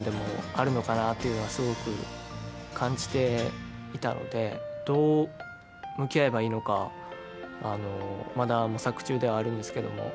デリケートな部分でもあるのかなというのは、すごく感じていたので、どう向き合えばいいのか、まだ模索中ではあるんですけども。